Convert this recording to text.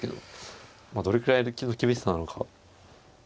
まあどれくらいの厳しさなのか。